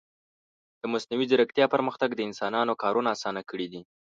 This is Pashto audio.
د مصنوعي ځیرکتیا پرمختګ د انسانانو کارونه آسانه کړي دي.